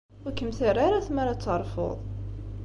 Ur kem-terri ara tmara ad terfuḍ.